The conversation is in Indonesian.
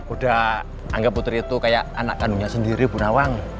udah anggap putri itu kayak anak kandungnya sendiri bu nawang